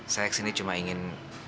saya kesini cuma ingin